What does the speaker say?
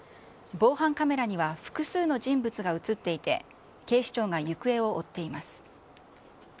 防犯カメラには複数の人物が写っていて、警視庁が行方を追っています。